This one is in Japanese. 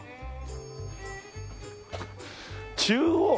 「中央」